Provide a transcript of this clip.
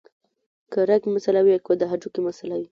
کۀ رګ مسئله وي او کۀ د هډوکي مسئله وي